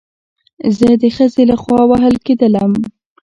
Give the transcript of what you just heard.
زه د خځې له خوا وهل کېدلم